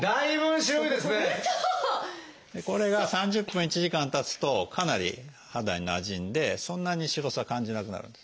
これが３０分１時間たつとかなり肌になじんでそんなに白さを感じなくなるんです。